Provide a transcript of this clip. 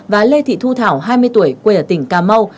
và lê thị thu thảo hai mươi tuổi quê ở tỉnh cà mau